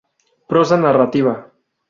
Prosa narrativa.